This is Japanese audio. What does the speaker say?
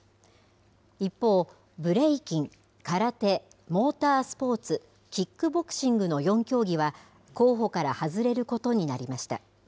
一方、ブレイキン、空手、モータースポーツ、キックボクシングの４競技は、候補から外れることになりました。